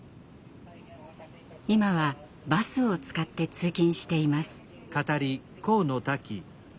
今はバスを使って通勤しています。